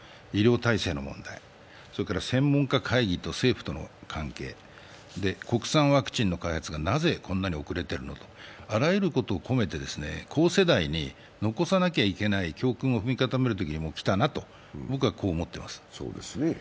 医療体制の問題専門家会議と政府との関係、国産ワクチンの開発がなぜこんなに遅れてるのか、あらゆることを込めて後世代に残せなきゃいけない教訓を踏み固めるときにきたなと僕は思っています。